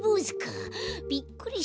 びっくりしたよ。